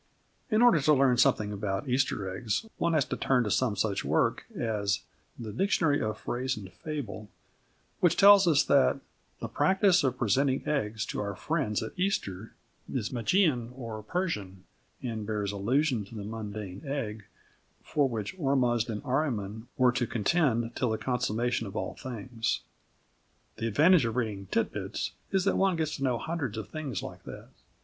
In order to learn something about Easter eggs one has to turn to some such work as The Dictionary of Phrase and Fable, which tells us that "the practice of presenting eggs to our friends at Easter is Magian or Persian, and bears allusion to the mundane egg, for which Ormuzd and Ahriman were to contend till the consummation of all things." The advantage of reading Tit Bits is that one gets to know hundreds of things like that.